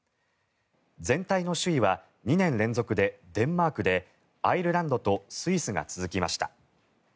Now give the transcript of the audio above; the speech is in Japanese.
全体の首位は２年連続でデンマークでアイルランドとスイスが続きました。